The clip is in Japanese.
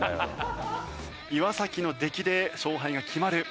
岩の出来で勝敗が決まる。